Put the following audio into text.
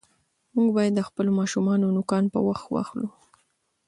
موږ باید د خپلو ماشومانو نوکان په وخت واخلو.